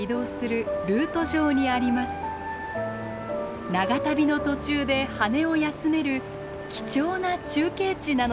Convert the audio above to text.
長旅の途中で羽を休める貴重な中継地なのです。